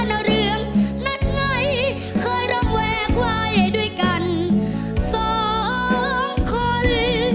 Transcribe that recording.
ก็เรื่องนั้นไงเคยล้ำแหวกไหวด้วยกันสองคน